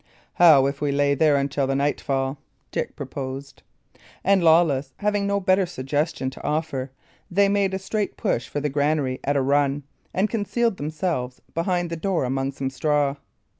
"How if we lay there until the night fall?" Dick proposed. And Lawless having no better suggestion to offer, they made a straight push for the granary at a run, and concealed themselves behind the door among some straw.